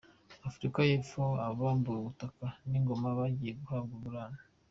Afurika y’Epfo Abambuwe ubutaka n’ingoma bagiye guhabwa ingurane